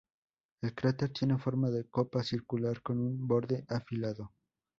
El cráter tiene forma de copa circular con un borde afilado.